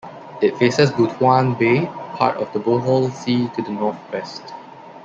It faces Butuan Bay, part of the Bohol Sea, to the northwest.